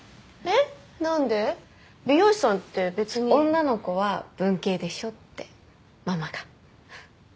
女の子は文系でしょ？ってママが。